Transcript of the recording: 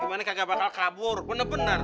kayib ya katanya gimana kak gak bakal kabur bener bener